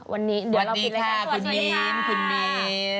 วันนี้เดี๋ยวเรากินเลยค่ะสวัสดีค่ะคุณมิ้นคุณมิ้น